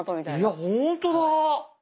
いやほんとだ。